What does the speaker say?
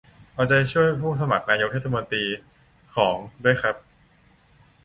เอาใจช่วยผู้สมัครนายกเทศมนตรีหญิง ของ ด้วยครับ